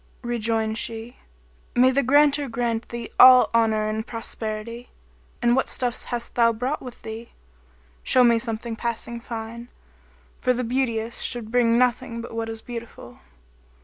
Rejoined she, "May the Granter grant thee all honour and prosperity! And what stuffs hast thou brought with thee? Show me something passing fine; for the beauteous should bring nothing but what is beautiful."